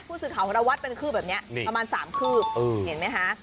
พูดสึกเขาเราวัดเป็นคืบแบบเนี้ยประมาณ๓คืบเห็นมั้ยฮะ